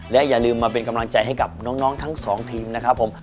และอย่าลืมมาเป็นกำลังใจให้กับน้องทั้งสองทีมนะครับผม